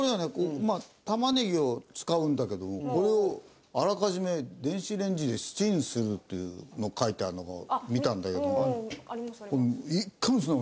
まあ玉ねぎを使うんだけどもこれをあらかじめ電子レンジでチンするというのを書いてあるのを見たんだけど１回もそんな事言った事ない。